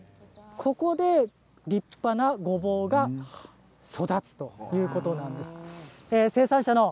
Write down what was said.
ここで立派なごぼうが育つということなんです。